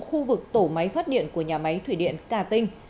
khu vực tổ máy phát điện của nhà máy thủy điện cà tinh